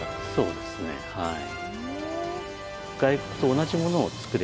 そうですねはい。